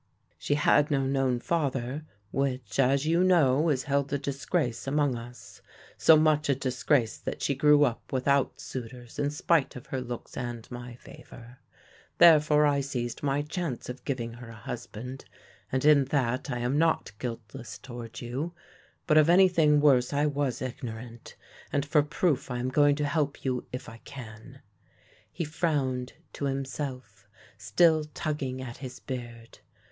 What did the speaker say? "'She had no known father, which (as you know) is held a disgrace among us; so much a disgrace that she grew up without suitors in spite of her looks and my favour. Therefore I seized my chance of giving her a husband, and in that I am not guiltless towards you; but of anything worse I was ignorant, and for proof I am going to help you if I can.' He frowned to himself, still tugging at his beard.